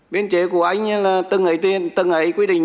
bên chế của anh là tầng ấy quy định